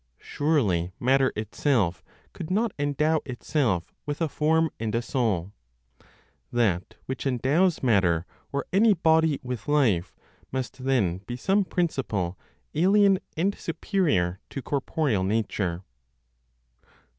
Surely matter itself could not endow itself with a form and a soul. That which endows matter or any body with life must then be some principle alien and superior to corporeal nature.